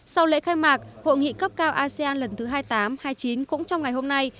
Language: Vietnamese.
sau lễ khai mạc hội nghị cấp cao asean lần thứ hai mươi tám hai mươi chín cũng trong ngày hôm nay